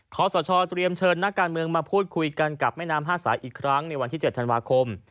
ขอสชเตรียมเชิญนักการเมืองมาพูดคุยกันกับแม่น้ำ๕สายอีกครั้งในวันที่๗ธันวาคม